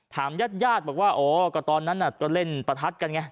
ถามญาติยาดบอกว่าโอ้ก็ตอนนั้นจะเล่นประทัดกันไง